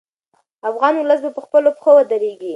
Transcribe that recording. افغان ولس به په خپلو پښو ودرېږي.